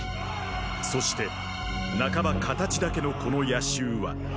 そしてなかば形だけのこの夜襲はーー。